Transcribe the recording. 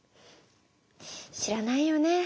知らないよね。